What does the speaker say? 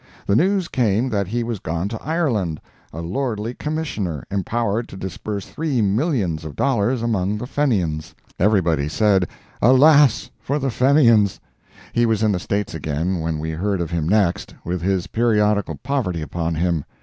The news came that he was gone to Ireland, a lordly commissioner, empowered to disburse three millions of dollars among the Fenians! Everybody said, Alas, for the Fenians! He was in the States again, when we heard of him next, with his periodical poverty upon him.